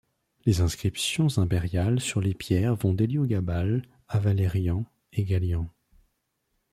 Les inscriptions impériales sur les pierres vont d'Héliogabale à Valérien et Gallien.